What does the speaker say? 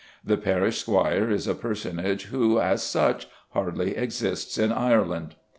The parish squire is a personage who, as such, hardly exists in Ireland.